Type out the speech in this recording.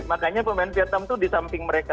makanya pemain vietnam itu di samping mereka